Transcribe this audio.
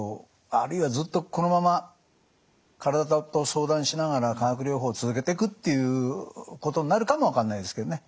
あるいはずっとこのまま体と相談しながら化学療法を続けてくっていうことになるかも分かんないですけどね。